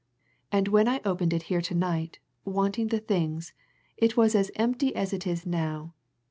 And when I opened it here to night, wanting the things, it was as empty as it is now.